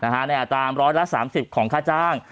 ๙๐บาทตามร้อยละ๓๐ของค่าจ้าง